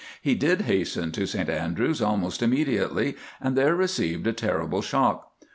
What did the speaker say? He did hasten to St Andrews almost immediately, and there received a terrible shock.